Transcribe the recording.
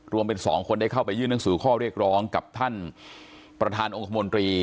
รวมเป็น๒คนได้เข้าไปยื่นหนังสือข้อเรียกร้องกับท่านประธานองค์คมนตรี